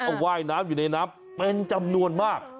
เอาว่ายน้ำอยู่ในน้ำเป็นจำนวนมาก